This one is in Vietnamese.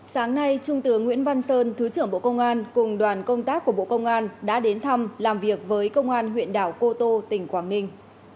sáng nay trung tướng nguyễn văn sơn thứ trưởng bộ công an cùng đoàn công tác của bộ công an đã đến thăm làm việc với công an huyện đảo cô tô tỉnh quảng ninh